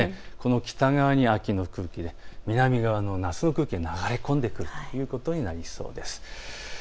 北側に秋の空気、南側から夏の空気が流れ込んでくるということになりそうです。